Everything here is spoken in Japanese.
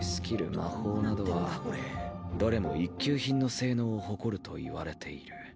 魔法などはどれも一級品の性能を誇るといわれている。